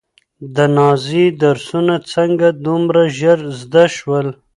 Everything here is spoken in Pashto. د نازيې درسونه څنګه دومره ژر زده شول؟